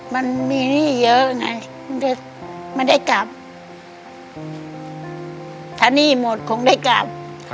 มันมีหนี้เยอะไงไม่ได้กลับถ้าหนี้หมดคงได้กลับ